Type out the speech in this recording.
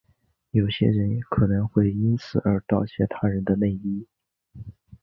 某些人可能会因此而窃盗他人的内衣。